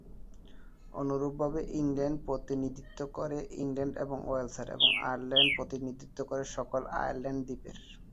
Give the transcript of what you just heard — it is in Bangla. অনুরূপভাবে ইংল্যান্ড প্রতিনিধিত্ব করে ইংল্যান্ড এবং ওয়েলসের এবং আয়ারল্যান্ড প্রতিনিধিত্ব করে সকল আয়ারল্যান্ড দ্বীপের।